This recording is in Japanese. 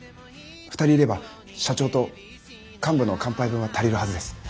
２人いれば社長と幹部の乾杯分は足りるはずです。